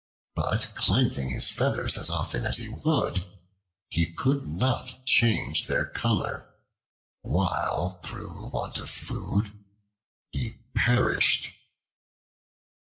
But cleansing his feathers as often as he would, he could not change their color, while through want of food he perished.